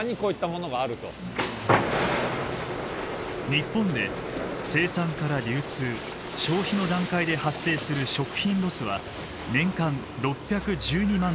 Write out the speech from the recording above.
日本で生産から流通消費の段階で発生する食品ロスは年間６１２万トン。